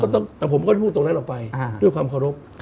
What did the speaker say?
แต่ผมก็พูดตรงนั้นออกไปด้วยความเคารพ